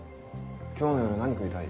今日の夜何食いたい？